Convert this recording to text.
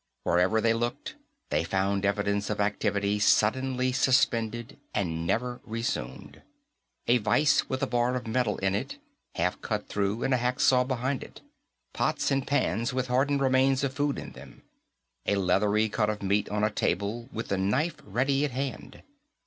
Wherever they looked, they found evidence of activity suddenly suspended and never resumed. A vise with a bar of metal in it, half cut through and the hacksaw beside it. Pots and pans with hardened remains of food in them; a leathery cut of meat on a table, with the knife ready at hand.